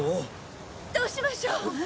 どうしましょう！